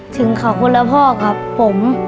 ถึงขอบคุณและพ่อครับผม